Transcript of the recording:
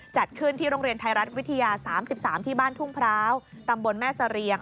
จัดขึ้นที่โรงเรียนไทยรัฐวิทยา๓๓ที่บ้านทุ่งพร้าวตำบลแม่เสรียง